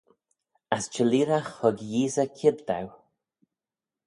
As çhelleeragh hug Yeesey kied daue.